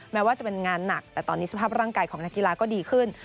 แม้ว่าจะเป็นงานหนักแต่ตอนนี้สภาพร่างกายของนักกีฬาก็ดีขึ้น